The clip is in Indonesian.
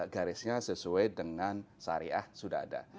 garisnya sesuai dengan syariah sudah ada